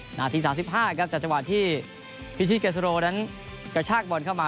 นาที๓๕ครับจากจังหวะที่พิชิเกสโรนั้นกระชากบอลเข้ามา